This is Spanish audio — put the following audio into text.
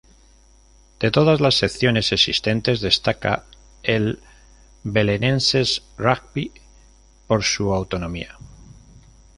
De todas las secciones existentes, destaca el Belenenses Rugby por su autonomía.